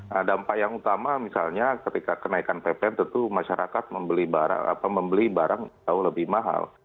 nah dampak yang utama misalnya ketika kenaikan ppn tentu masyarakat membeli barang jauh lebih mahal